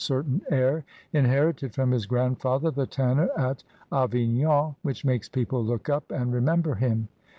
certain air inherited from his grandfather, the tanner at Avignon, which makes people look up and re member him.